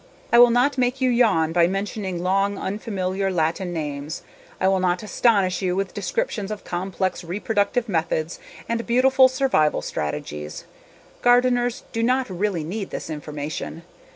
I will not make you yawn by mentioning long, unfamiliar Latin names. I will not astonish you with descriptions of complex reproductive methods and beautiful survival strategies. Gardeners do not really need this information.